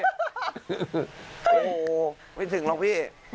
โอ้โหไม่ถึงหรอกพี่